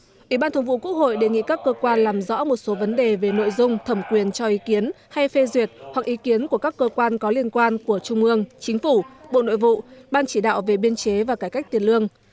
ủy ban thường vụ quốc hội đề nghị các cơ quan làm rõ một số vấn đề về nội dung thẩm quyền cho ý kiến hay phê duyệt hoặc ý kiến của các cơ quan có liên quan của trung ương chính phủ bộ nội vụ ban chỉ đạo về biên chế và cải cách tiền lương